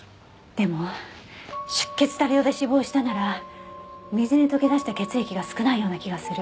でも出血多量で死亡したなら水に溶け出した血液が少ないような気がする。